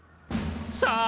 さあ